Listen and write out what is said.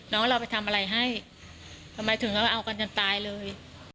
น้องเราไปทำอะไรให้ทำไมถึงเอากันจนตายเลย